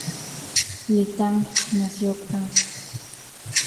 Li Tang nació ca.